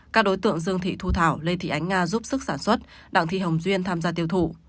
các đối tượng dương thị thu thảo lê thị ánh nga giúp sức sản xuất đặng thị hồng duyên tham gia tiêu thụ